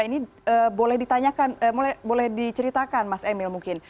ini boleh diceritakan mas emil mungkin